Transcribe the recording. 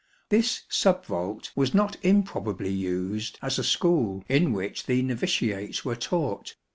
This sub vault was not improbably used as a school in which the novitiates were taught.